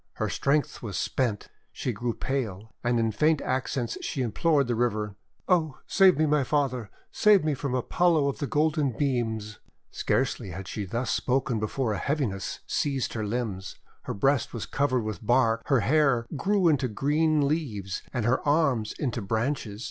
Her strength was spent, she grew pale, and in faint accents she implored the river :— "Oh, save me, my Father, save me from Apollo of the Golden Beams !>: Scarcely had she thus spoken before a heavi ness seized her limbs. Her breast was covered with bark, her hair grew into green leaves and her arms into branches.